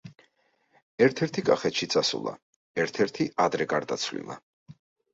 ერთ-ერთი კახეთში წასულა, ერთ-ერთი ადრე გარდაცვლილა.